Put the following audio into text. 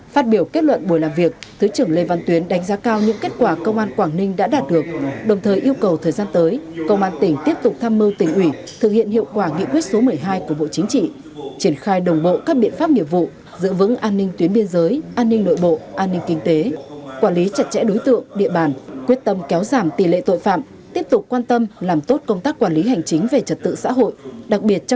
phát biểu kết luận buổi làm việc thứ trưởng lê văn tuyến đánh giá cao những kết quả công an quảng ninh đã đạt được đồng thời yêu cầu thời gian tới công an tỉnh tiếp tục tham mưu tỉnh ủy thực hiện hiệu quả nghị quyết số một mươi hai của bộ chính trị triển khai đồng bộ các biện pháp nghiệp vụ giữ vững an ninh tuyến biên giới an ninh nội bộ an ninh kinh tế quản lý chặt chẽ đối tượng địa bàn quyết tâm kéo giảm tỷ lệ tội phạm tiếp tục quan tâm làm tốt công tác quản lý hành chính về trật tự xã hội đặc biệt